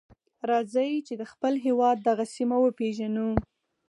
راځئ چې د خپل هېواد دغه سیمه وپیژنو.